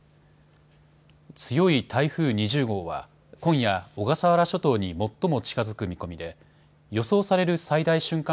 強い台風２０号は今夜、小笠原諸島に最も近づく見込みで予想される最大瞬間